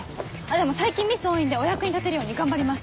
でも最近ミス多いんでお役に立てるように頑張ります。